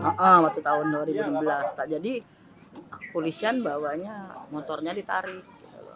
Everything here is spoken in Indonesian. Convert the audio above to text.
waktu tahun dua ribu enam belas jadi polisian bawanya motornya ditarik